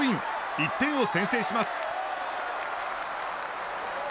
１点を先制します。